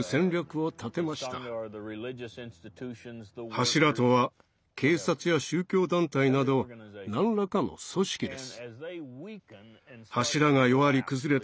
柱とは警察や宗教団体など何らかの組織です。